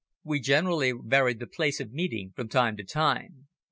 "We generally varied the place of meeting from time to time."